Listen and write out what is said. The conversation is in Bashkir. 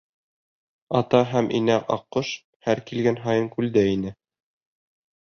Ата һәм инә аҡҡош һәр килгән һайын күлдә ине.